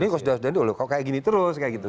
kalau kayak gini terus kayak gitu